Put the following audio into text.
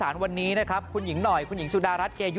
เรามีหนี้มีสินมานาน